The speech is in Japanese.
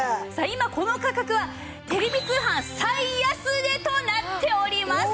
今この価格はテレビ通販最安値となっております。